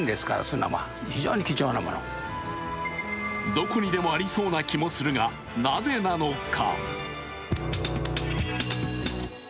どこにでもありそうな気もするが、なぜなのか。